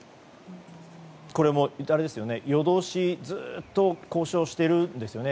これも夜通し交渉しているんですよね。